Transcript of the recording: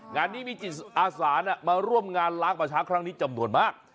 งานนี้มีจิตอาสามาร่วมงานล้างป่าช้าครั้งนี้จำนวนมาก